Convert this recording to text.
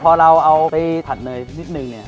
พอเราเอาไปถัดเนยนิดนึงเนี่ย